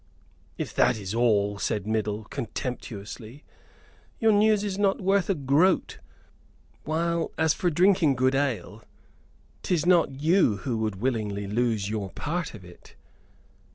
"If that is all," said Middle, contemptuously, "your news is not worth a groat; while as for drinking good ale, 'tis not you who would willingly lose your part of it."